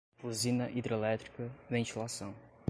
usina hidrelétrica, ventilação